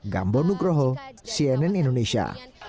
gambon nugroho cnn indonesia